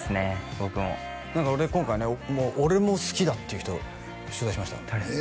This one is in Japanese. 僕も何か今回ねもう俺も好きだっていう人取材しました誰？